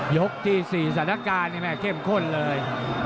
ยกที่๔ศนการเนี่ยแม่เข้มข้นเลย